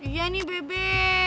iya nih bebe